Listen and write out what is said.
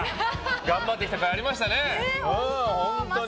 頑張ってきたかいありましたね。